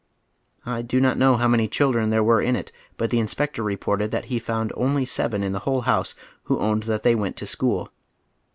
I do not know how many children there were in it, but the inspector reported that he found only seven in the whole house who owned that they went to school.